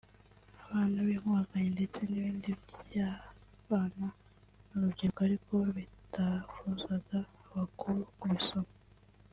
abana b’inkubaganyi ndetse n’ibindi by’abana n’urubyiruko ariko bitabuzaga abakuru kubisoma